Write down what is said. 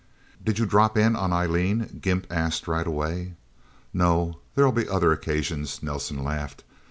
"Did you drop in on Eileen?" Gimp asked right away. "No. There'll be other occasions," Nelsen laughed.